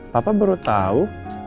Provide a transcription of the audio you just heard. papa baru tau